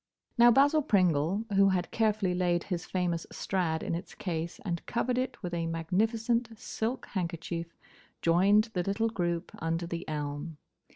Now Basil Pringle, who had carefully laid his famous Strad in its case and covered it with a magnificent silk handkerchief, joined the little group under the elm.